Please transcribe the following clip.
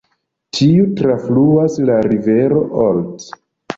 Tiu trafluas la rivero Olt.